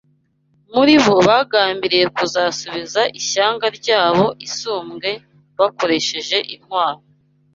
muri bo bagambiriye kuzasubiza ishyanga ryabo isumbwe bakoresheje intwaro